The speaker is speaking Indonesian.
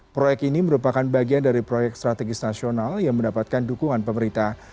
proyek ini merupakan bagian dari proyek strategis nasional yang mendapatkan dukungan pemerintah